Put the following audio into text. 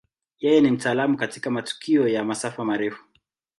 Yeye ni mtaalamu katika matukio ya masafa marefu.